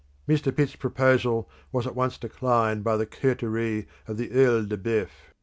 Mr. Pitt's proposal was at once declined by the coterie of the OEil de Boeuf.